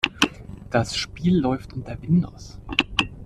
Das Spiel läuft unter Windows.